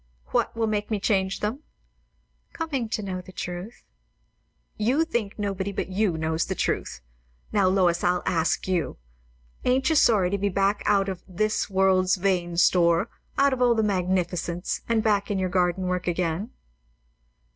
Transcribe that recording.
"What will make me change them?" "Coming to know the truth." "You think nobody but you knows the truth. Now, Lois, I'll ask you. Ain't you sorry to be back and out of 'this world's vain store' out of all the magnificence, and back in your garden work again?"